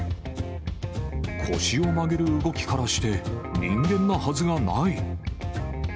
腰を曲げる動きからして、人間なはずがない。